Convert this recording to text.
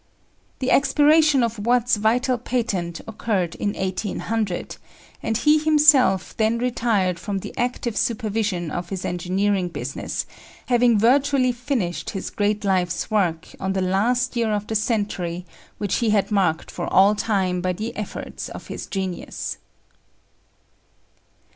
The expiration of Watt's vital patent occurred in 1800, and he himself then retired from the active supervision of his engineering business, having virtually finished his great life's work on the last year of the century which he had marked for all time by the efforts of his genius.